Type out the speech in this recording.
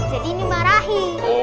jadi ini marahi